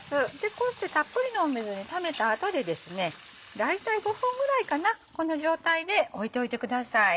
こうしてたっぷりの水にためた後で大体５分ぐらいこの状態で置いておいてください。